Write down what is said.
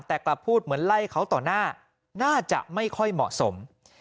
แต่กลับพูดเหมือนไล่เขาต่อหน้าน่าจะไม่ค่อยเหมาะสม